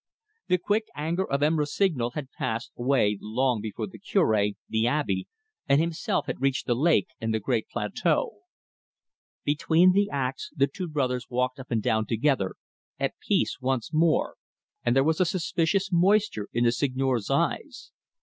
The quick anger of M. Rossignol had passed away long before the Cure, the Abbe, and himself had reached the lake and the great plateau. Between the acts the two brothers walked up and down together, at peace once more, and there was a suspicious moisture in the Seigneur's eyes.